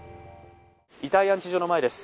遺体安置所の前です。